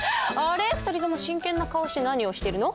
２人とも真剣な顔をして何をしてるの？